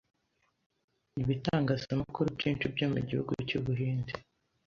ibitangazamakuru byinshi byo mu gihugu cy’Ubuhinde